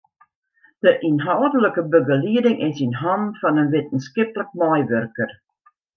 De ynhâldlike begelieding is yn hannen fan in wittenskiplik meiwurker.